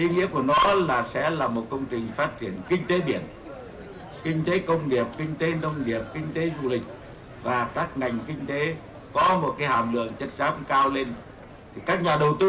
điểm cuối nối với xã bình